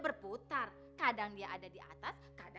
bu kenapa sih bu